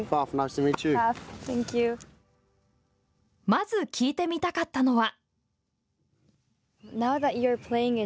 まず聞いてみたかったのは。